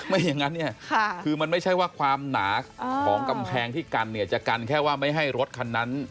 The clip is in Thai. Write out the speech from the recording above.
ไม่อย่างนั้นเนี่ยคือมันไม่ใช่ว่าความหนาของกำแพงที่กันเนี่ยจะกันแค่ว่าไม่ให้รถคันนั้น